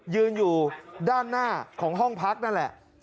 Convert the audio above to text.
ยืนอยู่ด้านหน้าของห้องพักนั่นแหละ